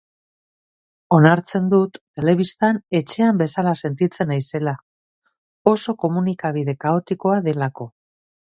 Onartzen dut telebistan etxean bezala sentitzen naizela, oso komunikabide kaotikoa delako.